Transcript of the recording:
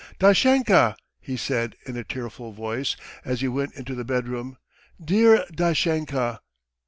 "Dashenka," he said in a tearful voice as he went into the bedroom, "dear Dashenka!"